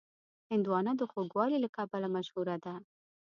هندوانه د خوږوالي له کبله مشهوره ده.